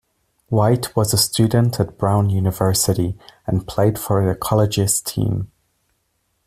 White was a student at Brown University, and played for the college's team.